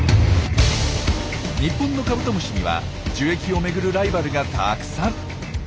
日本のカブトムシには樹液を巡るライバルがたくさん。